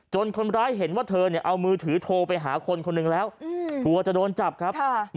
คนร้ายเห็นว่าเธอเอามือถือโทรไปหาคนคนหนึ่งแล้วกลัวจะโดนจับครับ